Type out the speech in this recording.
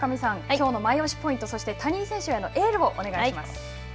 きょうのマイオシポイントそして、谷井選手へのエールをお願いします。